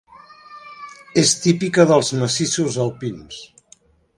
És típica dels massissos alpins.